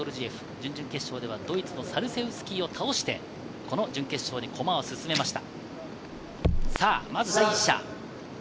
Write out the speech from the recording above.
準々決勝はドイツのサワシュを倒して準決勝に駒を進めました。